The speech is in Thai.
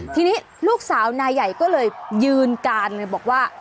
ทีนี้ลูกสาวนายใหญ่ก็เลยยืนการเลยบอกว่า